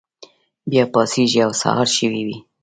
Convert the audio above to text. بیا پاڅیږي او سهار شوی وي.